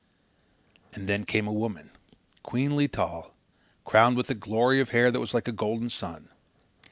And then came a woman, queenly tall, crowned with a glory of hair that was like a golden sun.